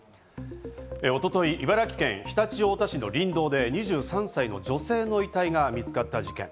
一昨日、茨城県常陸太田市の林道で２３歳の女性の遺体が見つかった事件。